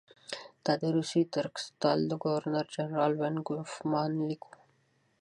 دا د روسي ترکستان د ګورنر جنرال وان کوفمان لیک وو.